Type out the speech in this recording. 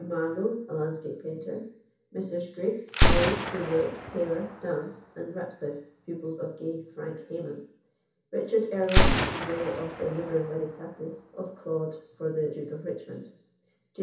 Marlowe, a landscape painter; Messrs. Griggs, Rowe, Dubourg, Taylor, Dance, and Ratcliffe, pupils of gay Frank Hayman; Richard Earlom, engraver of the "Liber Veritatis" of Claude for the Duke of Richmond; J.